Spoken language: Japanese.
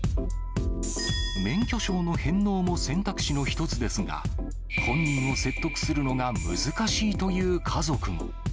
免許証の返納も選択肢の一つですが、本人を説得するのが難しいという家族も。